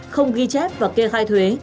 không ghi chép và kê khai thuế